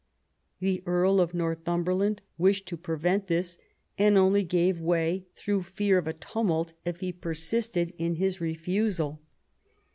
The Earl of Northumberland wished to prevent this, and only gave way through fear of a tumult if he persisted in his refusal.